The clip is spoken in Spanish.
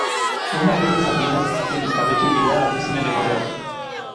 Un barril de sardinas en escabeche llegó a la oficina de correos.